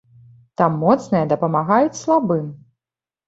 Там моцныя дапамагаюць слабым.